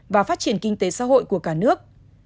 và phát triển kinh tế xã hội của cả nước